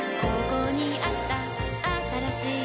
ここにあったあったらしい